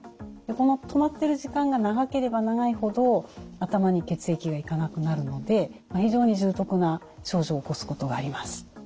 この止まっている時間が長ければ長いほど頭に血液が行かなくなるので非常に重篤な症状を起こすことがあります。